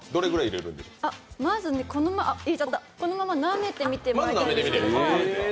まずこのままなめてみてもらいたいんですけど。